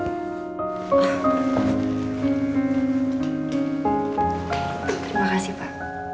terima kasih pa